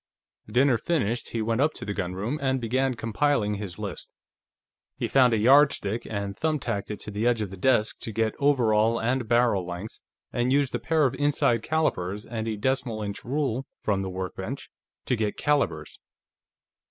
Dinner finished, he went up to the gunroom and began compiling his list. He found a yardstick, and thumbtacked it to the edge of the desk to get over all and barrel lengths, and used a pair of inside calipers and a decimal inch rule from the workbench to get calibers.